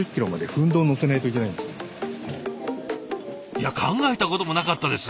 いや考えたこともなかったです。